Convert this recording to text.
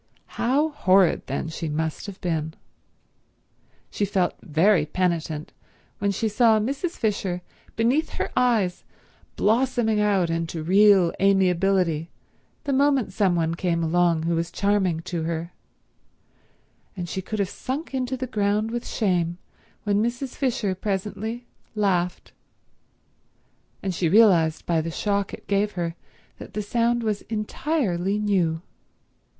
How horrid, then, she must have been. She felt very penitent when she saw Mrs. Fisher beneath her eyes blossoming out into real amiability the moment some one came along who was charming to her, and she could have sunk into the ground with shame when Mrs. Fisher presently laughed, and she realized by the shock it gave her that the sound was entirely new.